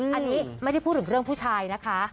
อันนี้ไม่ได้พูดถึงเรื่องผู้ชายนะคะ